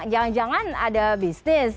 jangan jangan ada bisnis